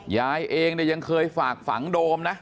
ยายเองเนี่ยยังเคยฝากฝังโดมนะ